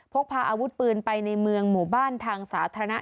พกพาอาวุธปืนไปในเมืองหมู่บ้านทางสาธารณะ